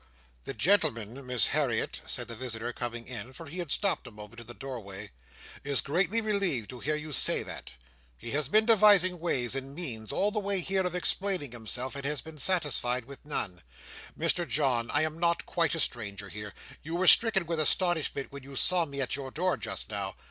"The gentleman, Miss Harriet," said the visitor, coming in—for he had stopped a moment in the doorway—"is greatly relieved to hear you say that: he has been devising ways and means, all the way here, of explaining himself, and has been satisfied with none. Mr John, I am not quite a stranger here. You were stricken with astonishment when you saw me at your door just now.